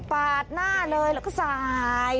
ปาดหน้าเลยแล้วก็สาย